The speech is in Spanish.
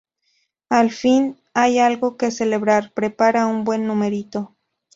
al fin hay algo que celebrar. prepara un buen numerito.